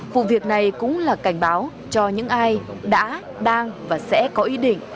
vụ việc này cũng là cảnh báo cho những ai đã đang và sẽ có ý định